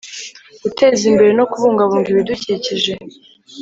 Guteza imbere no kubungabunga ibidukikije